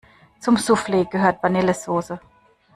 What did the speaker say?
Zum Souffle gehört Vanillesoße.